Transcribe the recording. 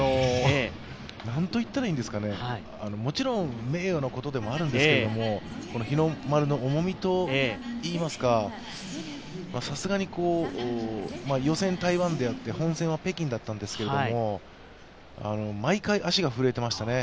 何と言ったらいいんですかね、もちろん名誉なことでもあるんですけど日の丸の重みといいますか、さすがに予選を台湾でやって、本戦は北京だったんですけども毎回、足が震えていましたね。